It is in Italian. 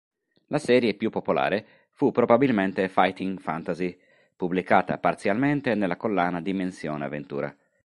La serie più popolare fu probabilmente Fighting Fantasy, pubblicata parzialmente nella collana Dimensione avventura.